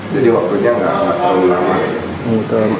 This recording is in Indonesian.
jadi waktunya nggak terlalu lama